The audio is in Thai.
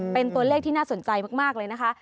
เป็นตัวเลขที่น่าสนใจมากเลยนะคะ